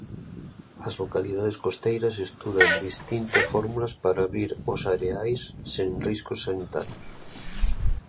As localidades costeiras estudan distintas fórmulas para abrir os areais sen riscos sanitarios.